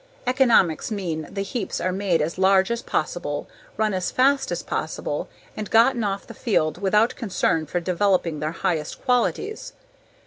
Economics mean the heaps are made as large as possible, run as fast as possible, and gotten off the field without concern for developing their highest qualities.